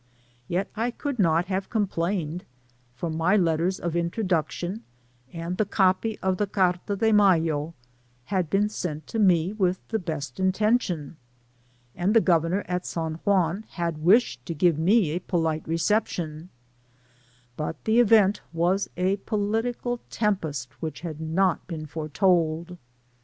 Yet I could not have com plained, for my letters of introduction and the copy of the Carta de Mayo had been sent to me with the best intention — ^and the Governor at San Juan had wished to give me a polite reception ; but the event was a political tempest which had not been foretold.